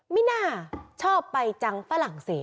ไม่น่าชอบไปจังฝรั่งเศส